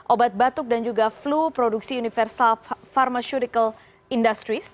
obat batuk dan juga flu produksi universal pharmaceutical industries